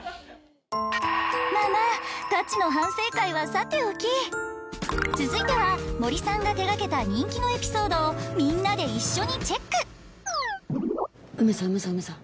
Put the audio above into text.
まぁまぁガチの反省会はさておき続いては森さんが手掛けた人気のエピソードをみんなで一緒にチェックウメさんウメさんウメさん。